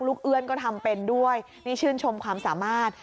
เอื้อนก็ทำเป็นด้วยนี่ชื่นชมความสามารถ